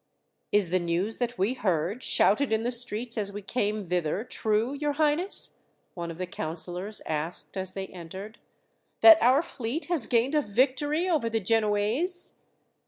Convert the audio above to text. "Is the news that we heard, shouted in the streets as we came thither, true, your highness?" one of the councillors asked as they entered. "That our fleet has gained a victory over the Genoese?"